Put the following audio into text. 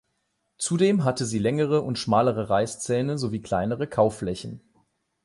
Zudem hat sie längere und schmalere Reißzähne sowie kleinere Kauflächen.